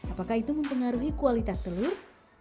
apakah itu mempengaruhi kualitas telur